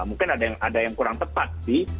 mungkin ada yang kurang tepat sih